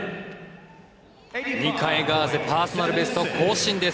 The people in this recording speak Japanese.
ニカ・エガーゼパーソナルベスト更新です。